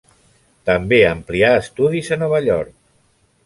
També amplià estudis a Nova York.